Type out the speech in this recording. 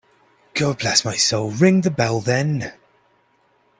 God bless my soul, ring the bell, then.